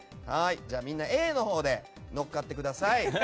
みんな、Ａのほうで乗っかってください。